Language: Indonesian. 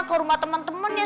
ke rumah temen temennya